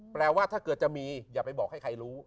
ว่าถ้าเกิดจะมีอย่าไปบอกให้ใครรู้